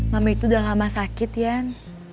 mama itu udah lama sakit kan